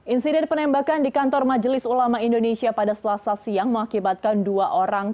insiden penembakan di kantor majelis ulama indonesia pada selasa siang mengakibatkan dua orang